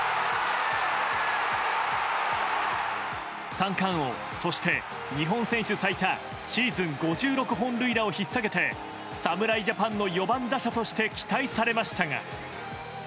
三冠王、そして日本選手最多シーズン５６本塁打を引っさげて、侍ジャパンの４番打者として期待されましたが。